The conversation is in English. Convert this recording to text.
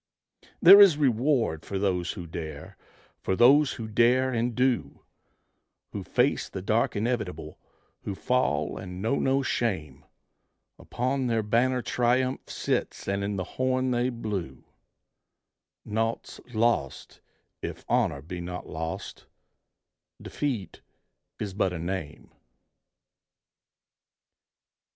There is reward for those who dare, for those who dare and do: Who face the dark inevitable, who fall and know no shame; Upon their banner triumph sits and in the horn they blew, Naught's lost if honor be not lost, defeat is but a name.